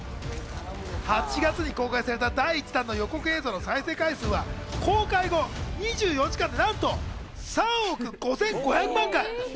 ８月に公開された第１弾の予告映像の再生回数は公開後２４時間でなんと３億５５００万回。